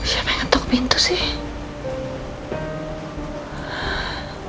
siapa yang ketok pintu sih